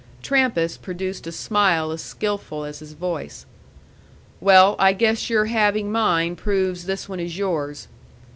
Trampas produced a smile as skilful as his voice. "Well, I guess your having mine proves this one is yours."